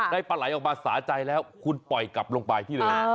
ปลาไหลออกมาสาใจแล้วคุณปล่อยกลับลงไปที่เดิม